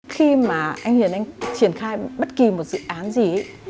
khi mà anh hiền anh triển khai bất kỳ một dự án gì